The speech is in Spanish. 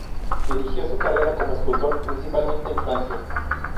Dirigió su carrera como escultor, principalmente en Francia.